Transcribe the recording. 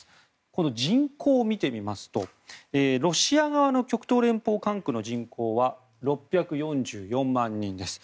この人口を見てみますとロシア側の極東連邦管区の人口は６４４万人です。